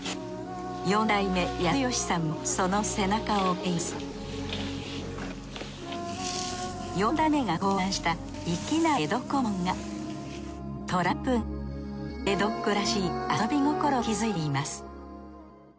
四代目康義さんもその背中を追っています四代目が考案した粋な江戸小紋が江戸っ子らしい遊び心が息づいています